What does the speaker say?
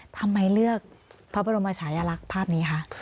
ทำไมเลือกพระบรมชายลักษณ์ภาพนี้คะ